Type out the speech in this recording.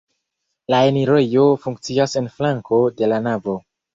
La enirejo funkcias en flanko de la navo.